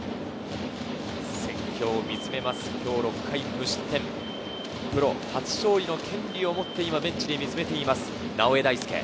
戦況を見つめる今日６回無失点、プロ初勝利の権利を持ってベンチで見つめている直江大輔。